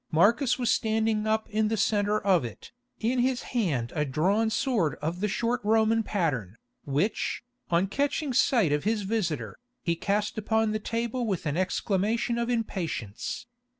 Marcus was standing up in the centre of it, in his hand a drawn sword of the short Roman pattern, which, on catching sight of his visitor, he cast upon the table with an exclamation of impatience.